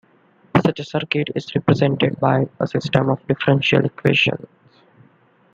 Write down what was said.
Such a circuit is represented by a system of differential equations.